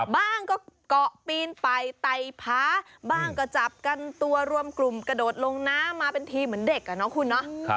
บ้างก็เกาะปีนไปไตผาบ้างก็จับกันตัวรวมกลุ่มกระโดดลงน้ำมาเป็นทีเหมือนเด็กอ่ะเนาะคุณเนาะ